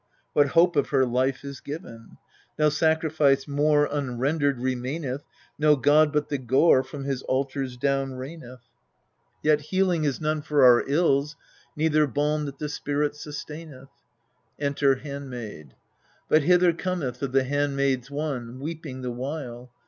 what hope of her life is given ? No sacrifice more Unrendered remaineth : No god, but the gore From his altars down raineth : 204 EURiriUKS Yet healing is none for our ills, neither balm that the spirit sustaineth. Enter HANDMAID But hither cometh of the handmaids one, Weeping the while.